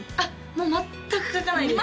もう全く書かないです